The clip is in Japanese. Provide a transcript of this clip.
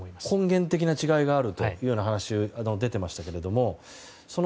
根源的な違いがあるというお話が出ていましたけれども。